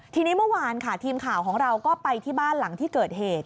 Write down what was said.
ทีนี้เมื่อวานค่ะทีมข่าวของเราก็ไปที่บ้านหลังที่เกิดเหตุ